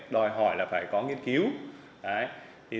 đòi hỏi là phải có nghiên cứu